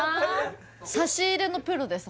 差し入れのプロです